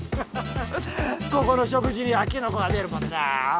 ここの食事にはキノコが出るもんな。